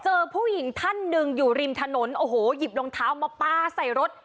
ผู้หญิงท่านหนึ่งอยู่ริมถนนโอ้โหหยิบรองเท้ามาปลาใส่รถ